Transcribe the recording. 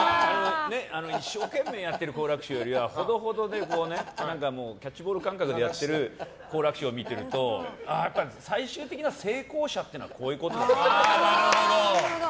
一生懸命やってる好楽師匠よりはほどほどでキャッチボール感覚でやってる好楽師匠を見ていると最終的な成功者っていうのはなるほど。